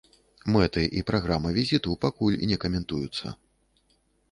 Мэты і праграма візіту пакуль не каментуюцца.